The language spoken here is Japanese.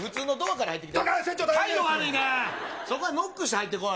ちゃんとノックして入ってこい。